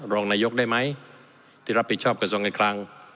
รองนายกได้ไหมที่รับผิดชอบกระทรวงการคลัง